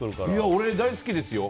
俺、大好きですよ。